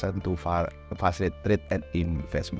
untuk memperbaiki transaksi dan investasi